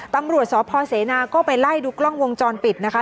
ตำรวจสพเสนาก็ไปไล่ดูกล้องวงจรปิดนะคะ